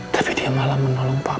tapi dia malah menolong pak